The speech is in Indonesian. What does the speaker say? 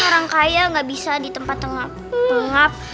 orang kaya gak bisa di tempat tengah mengap